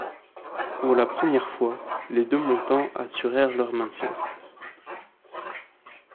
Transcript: Pour la première fois, les deux montants assurèrent leur maintien.